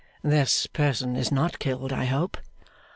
'This person is not killed, I hope?